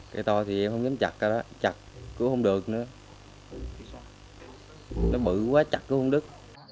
cây to thì em không dám chặt cả đó chặt cứ không được nữa nó bự quá chặt cứ không đứt